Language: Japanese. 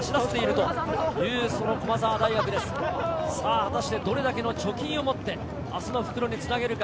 果たしてどれだけの貯金を持って明日の復路につなげるか。